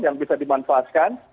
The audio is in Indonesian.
yang bisa dimanfaatkan